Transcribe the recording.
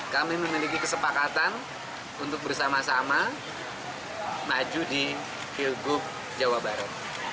kami memiliki kesepakatan untuk bersama sama maju di pilgub jawa barat